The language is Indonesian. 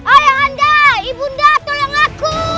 ayah anda ibu anda tolong aku